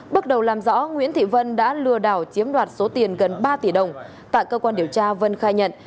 bước đầu làm rõ nguyễn thị vân đã lừa đảo chiếm đoạt số tiền gần ba tỷ đồng tại cơ quan điều tra vân khai nhận